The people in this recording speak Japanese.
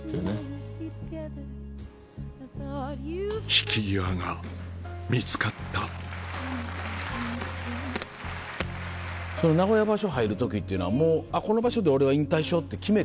引き際が見つかった名古屋場所入る時っていうのはもうこの場所で俺は引退しようって決めて？